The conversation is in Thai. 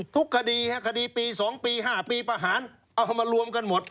ทุกคดีคดีปี๒ปี๕ปีประหารเอามารวมกันหมด